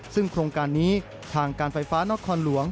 ซึ่งโครงการนี้ทางการไฟฟ้านครหลวง